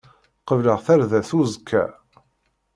Qebleɣ tardast uẓekka.